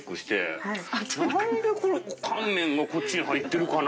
なんで乾麺がこっちに入ってるかな？